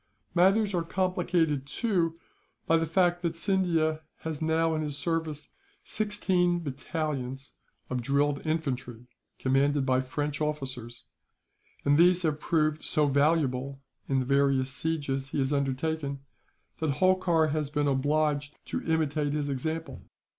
"Matters are complicated, too, by the fact that Scindia has now in his service sixteen battalions of drilled infantry, commanded by French officers; and these have proved so valuable, in the various sieges he has undertaken, that Holkar has been obliged to imitate his example.